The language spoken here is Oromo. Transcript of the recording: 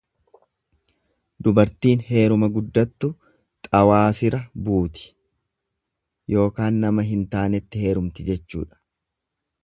Dubartiin heeruma guddattu xawaasira buuti ykn nama hin taanetti heerumti jechuudha.